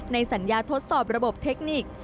ในสัญญาทดสอบระบบเทคนิค